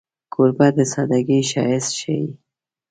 کوربه د سادګۍ ښایست ښيي.